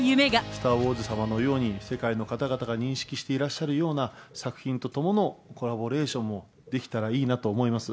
スター・ウォーズ様のように、世界の方々が認識していらっしゃるような作品とのコラボレーションもできたらいいなと思います。